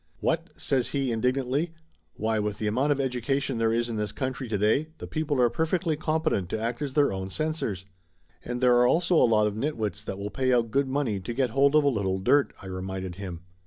"What?" says he indignantly. "Why, with the amount of education there is in this country to day the people are perfectly competent to act as their own censors." "And there are also a lot of nitwits that will pay out good money to get hold of a little dirt," I reminded him.